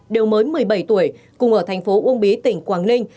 đều mới một mươi bảy tuổi cùng ở thành phố uông bí tỉnh quảng ninh